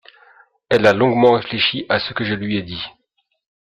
Elle a longuement réfléchi à ce que je lui ai dit.